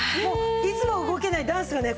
いつも動けないダンスがね